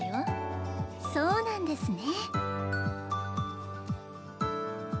そうなんですね。